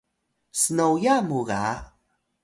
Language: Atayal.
snoya mu ga